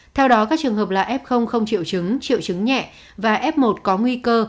theo đó các trường hợp là f không triệu chứng triệu chứng nhẹ và f một có nguy cơ